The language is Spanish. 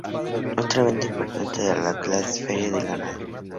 Otro evento importante de la localidad es la Feria del Ganado.